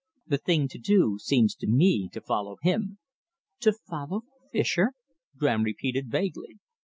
The thing to do seems to me to follow him." "To follow Fischer?" Graham repeated vaguely.